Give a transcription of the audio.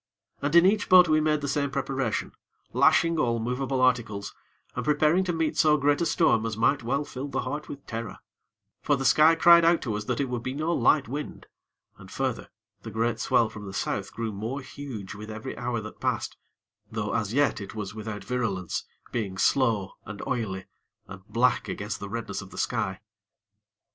And in each boat we made the same preparation, lashing all movable articles, and preparing to meet so great a storm as might well fill the heart with terror; for the sky cried out to us that it would be no light wind, and further, the great swell from the South grew more huge with every hour that passed; though as yet it was without virulence, being slow and oily and black against the redness of the sky.